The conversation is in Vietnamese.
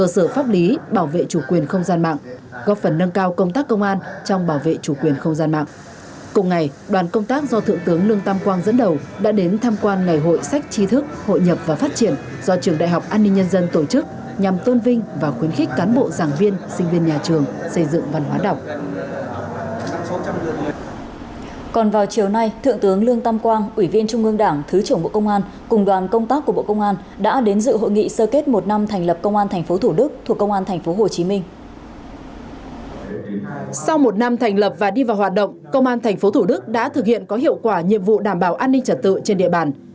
sau một năm thành lập và đi vào hoạt động công an thành phố thủ đức đã thực hiện có hiệu quả nhiệm vụ đảm bảo an ninh trật tự trên địa bàn